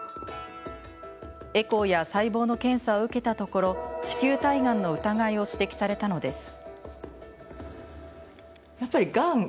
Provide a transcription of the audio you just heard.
エコーや細胞の検査を受けたところ子宮体がんの疑いを指摘されたのです。